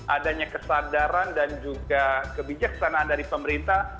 adanya kesadaran dan juga kebijaksanaan dari pemerintah